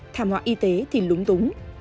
thảm họa y tế thì lúng túng